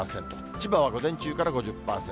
千葉は午前中から５０％、